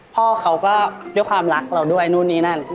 พ่อเขาก็ด้วยความรักเราด้วยนู่นนี่นั่น